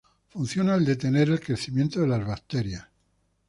Funciona al detener el crecimiento de las bacterias.